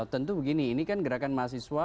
tentu begini ini kan gerakan mahasiswa